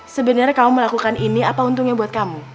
sebenarnya kamu melakukan ini apa untungnya buat kamu